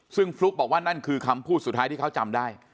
ซึ่งฟลุ๊กบอกว่านั่นคือคำพูดสุดท้ายที่เขาจำได้